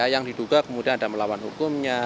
yang diduga kemudian ada melawan hukumnya